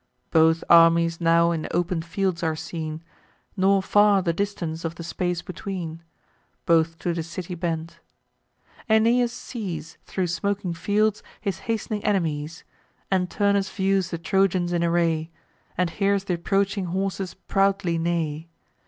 Both armies now in open fields are seen; Nor far the distance of the space between. Both to the city bend. Aeneas sees, Thro' smoking fields, his hast'ning enemies; And Turnus views the Trojans in array, And hears th' approaching horses proudly neigh.